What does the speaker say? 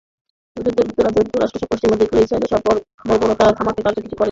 কিন্তু যুক্তরাজ্য, যুক্তরাষ্ট্রসহ পশ্চিমা রাষ্ট্রগুলো ইসরায়েলের এসব বর্বরতা থামাতে কার্যকর কিছুই করেনি।